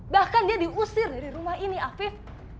bahkan dia diusir dari rumah ini afif